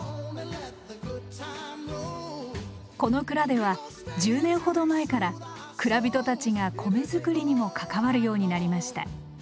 この蔵では１０年ほど前から蔵人たちが米作りにも関わるようになりました。